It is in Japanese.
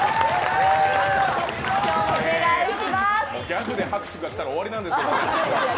ギャグで拍手が来たら終わりなんですよ。